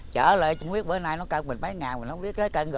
chở lại chẳng biết bữa nay nó cân bệnh mấy ngàn